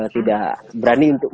tidak berani untuk